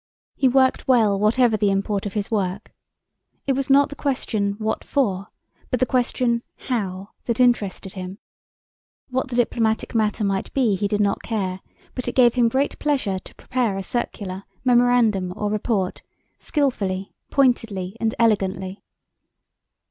He worked well whatever the import of his work. It was not the question "What for?" but the question "How?" that interested him. What the diplomatic matter might be he did not care, but it gave him great pleasure to prepare a circular, memorandum, or report, skillfully, pointedly, and elegantly.